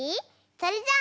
それじゃ。